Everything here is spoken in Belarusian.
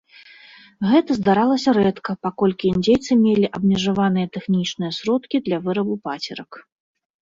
Гэта здаралася рэдка, паколькі індзейцы мелі абмежаваныя тэхнічныя сродкі для вырабу пацерак.